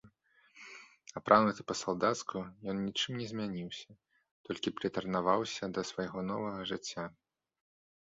Апрануты па-салдацку, ён нічым не змяніўся, толькі прытарнаваўся да свайго новага жыцця.